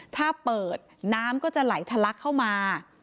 ถ้าเปิดน้ำก็จะไหลทะลักเข้ามา